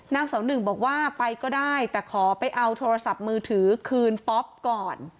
นางสาวหนึ่งบอกว่าไปก็ได้แต่ขอไปเอาโทรศัพท์มือถือคืนป๊อปก่อน